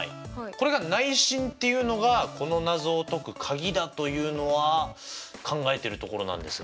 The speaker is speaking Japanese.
これが内心っていうのがこの謎を解く鍵だというのは考えてるところなんですが。